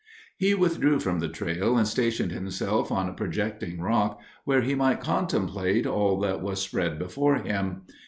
He withdrew from the trail and stationed himself on a projecting rock, where he might contemplate all that was spread before him.